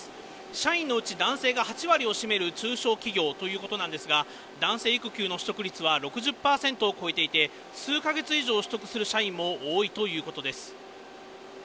社員のうち男性が８割を占める中小企業ということなんですが、男性育休の取得率は６０％を超えていて、数か月以上取得する社員も多いということです。